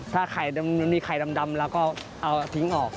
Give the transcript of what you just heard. ถ้ามีไข่ดำแล้วก็ทิ้งออก